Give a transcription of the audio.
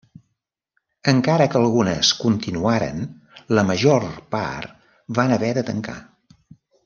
Encara que algunes continuaren, la major part van haver de tancar.